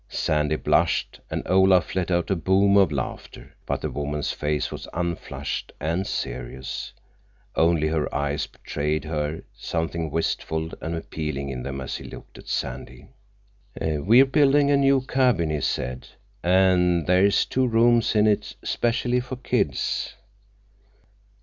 Sandy blushed, and Olaf let out a boom of laughter. But the woman's face was unflushed and serious; only her eyes betrayed her, something wistful and appealing in them as she looked at Sandy. "We're building a new cabin," he said, "and there's two rooms in it specially for kids."